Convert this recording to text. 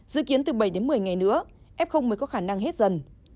dự kiến từ bảy đến một mươi ngày nữa f mới có khả năng hết dần